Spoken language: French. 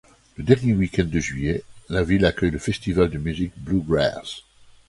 Le dernier week-end de juillet, la ville accueille le festival de musique Bluegrass.